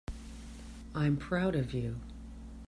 I'm proud of you.